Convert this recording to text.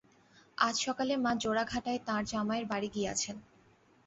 আজ সকালে মা জোড়াঘাটায় তাঁর জামাইয়ের বাড়ি গিয়াছেন।